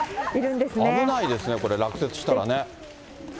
危ないですね、これ、落雪したらね。